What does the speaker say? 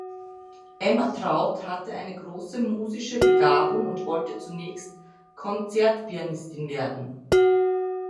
Emma Traut hatte eine große musische Begabung und wollte zunächst Konzertpianistin werden.